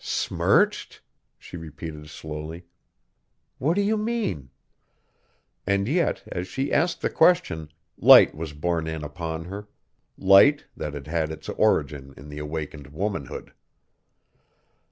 "Smirched?" she repeated slowly, "what do you mean?" And yet as she asked the question, light was borne in upon her, light that had had its origin in the awakened womanhood.